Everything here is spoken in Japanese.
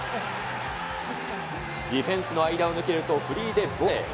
ディフェンスの間を抜けると、フリーでボレー。